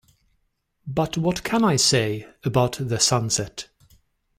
But what can I say about the sunset?